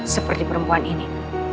seperti perempuan ini